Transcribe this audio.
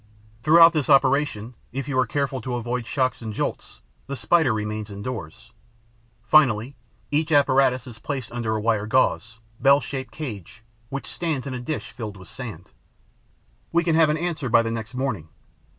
Throughout this operation, if you are careful to avoid shocks and jolts, the Spider remains indoors. Finally, each apparatus is placed under a wire gauze, bell shaped cage, which stands in a dish filled with sand. We can have an answer by the next morning.